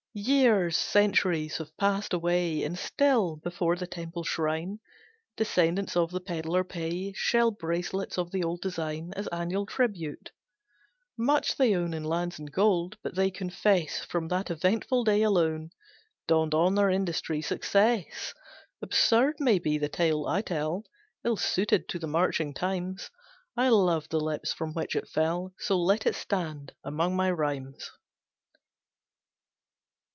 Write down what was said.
Years, centuries, have passed away, And still before the temple shrine Descendants of the pedlar pay Shell bracelets of the old design As annual tribute. Much they own In lands and gold, but they confess From that eventful day alone Dawned on their industry, success. Absurd may be the tale I tell, Ill suited to the marching times, I loved the lips from which it fell, So let it stand among my rhymes.